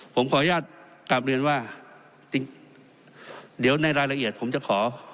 ผมขออนุญาตกลับเรียนว่าจริงเดี๋ยวในรายละเอียดผมจะขอ